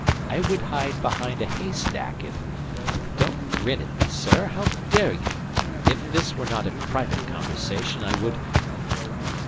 I would hide behind a haystack if... Don't grin at me, sir. How dare you? If this were not a private conversation, I would...